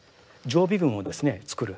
常備軍をですね作る。